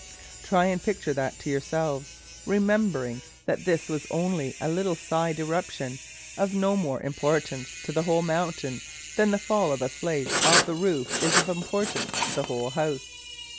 Try and picture that to yourselves, remembering that this was only a little side eruption, of no more importance to the whole mountain than the fall of a slate off the roof is of importance to the whole house.